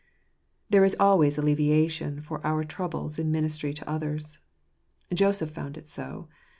There is always alleviation for our troubles in ministry to others. Joseph found it so.